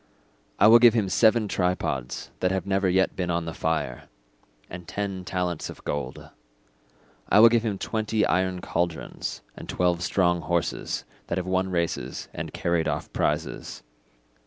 I will give him seven tripods that have never yet been on the fire, and ten talents of gold. I will give him twenty iron cauldrons and twelve strong horses that have won races and carried off prizes.